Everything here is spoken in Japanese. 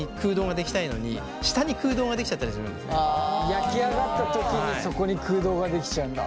焼き上がった時にそこに空洞ができちゃうんだ。